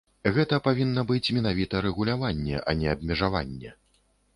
Гэта павінна быць менавіта рэгуляванне, а не абмежаванне.